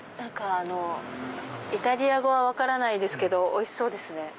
イタリア語は分からないですけどおいしそうですね。